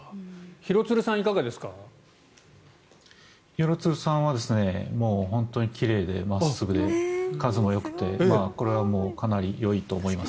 廣津留さんは本当に奇麗で真っすぐで数もよくてこれはかなりよいと思います。